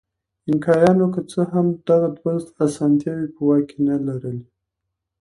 اینکایانو که څه هم دغه دوه اسانتیاوې په واک کې نه لرلې.